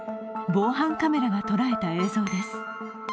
防犯カメラが捉えた映像です。